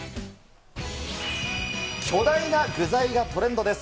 巨大な具材がトレンドです。